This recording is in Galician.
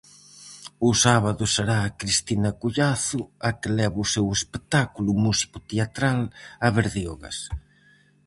O sábado será Cristina Collazo a que leve o seu espectáculo músico-teatral a Berdeogas.